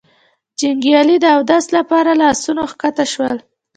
جنګيالي د اوداسه له پاره له آسونو کښته شول.